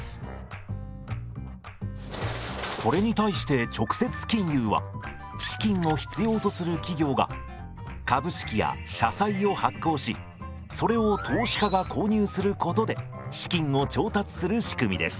これに対して直接金融は資金を必要とする企業が株式や社債を発行しそれを投資家が購入することで資金を調達する仕組みです。